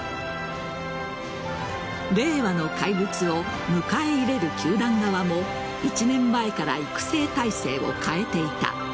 令和の怪物を迎え入れる球団側も１年前から育成体制を変えていた。